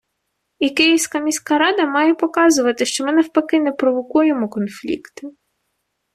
І Київська міська рада має показувати, що ми, навпаки, не провокуємо конфлікти.